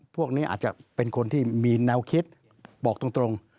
พวกนี้อาจจะเป็นคนที่มีแนวคิดบอกตรง